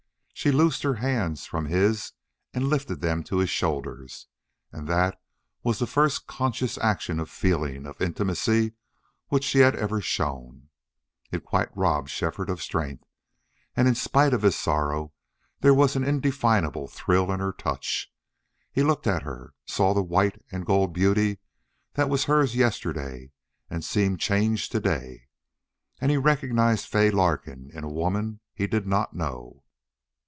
She loosed her hands from his and lifted them to his shoulders, and that was the first conscious action of feeling, of intimacy, which she had ever shown. It quite robbed Shefford of strength, and in spite of his sorrow there was an indefinable thrill in her touch. He looked at her, saw the white and gold beauty that was hers yesterday and seemed changed to day, and he recognized Fay Larkin in a woman he did not know.